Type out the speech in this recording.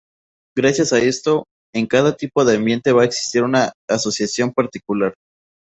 Gracias a esto, en cada tipo de ambiente va a existir una asociación particular.